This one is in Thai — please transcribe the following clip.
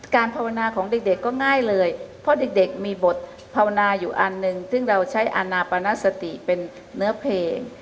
ภาวนาของเด็กก็ง่ายเลยเพราะเด็กมีบทภาวนาอยู่อันหนึ่งซึ่งเราใช้อาณาปนสติเป็นเนื้อเพลง